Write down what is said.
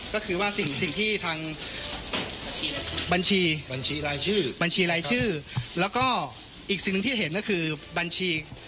ก็คือว่าสิ่งที่ทางบัญชีบัญชีรายชื่อบัญชีรายชื่อแล้วก็อีกสิ่งหนึ่งที่เห็นก็คือบัญชี